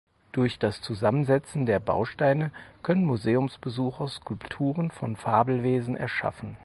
Durch das Zusammensetzen der Bausteine können Museumsbesucher Skulpturen von Fabelwesen erschaffen.